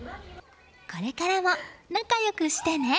これからも仲良くしてね。